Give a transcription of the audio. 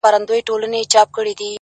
• بلا وهلی يم، چي تا کوم بلا کومه،